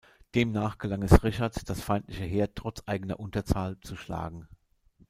Demnach gelang es Richard das feindliche Heer trotz eigener Unterzahl zu schlagen.